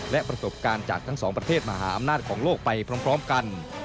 และประสบการณ์จากทั้งสองประเทศมหาอำนาจของโลกไปพร้อมกัน